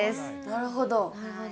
なるほど。